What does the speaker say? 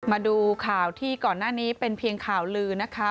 มาดูข่าวที่ก่อนหน้านี้เป็นเพียงข่าวลือนะคะ